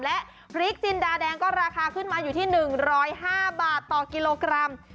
และพริกจินดาแดงก็ราคาขึ้นมาอยู่ที่๑๐๕บาทต่อกิโลกรัม